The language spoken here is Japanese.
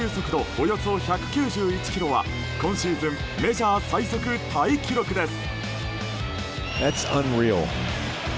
およそ１９１キロは今シーズンメジャー最速タイ記録です。